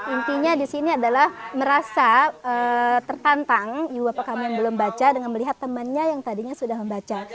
intinya di sini adalah merasa tertantang kami yang belum baca dengan melihat temannya yang tadinya sudah membaca